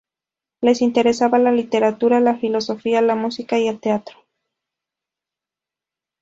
Les interesaba la literatura, la filosofía, la música y el teatro.